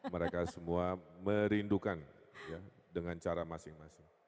mereka semua merindukan dengan cara masing masing